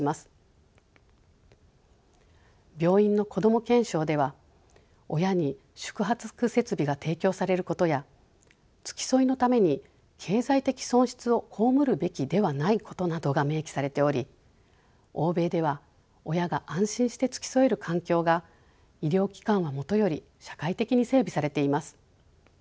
「病院のこども憲章」では親に宿泊設備が提供されることや付き添いのために経済的損失を被るべきではないことなどが明記されており欧米では親が安心して付き添える環境が医療機関はもとより社会的に整備されています。